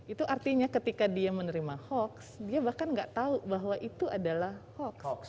itu artinya ketika dia menerima hoaks dia bahkan nggak tahu bahwa itu adalah hoax